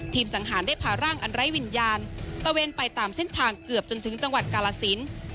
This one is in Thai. สังหารได้พาร่างอันไร้วิญญาณตะเวนไปตามเส้นทางเกือบจนถึงจังหวัดกาลสิน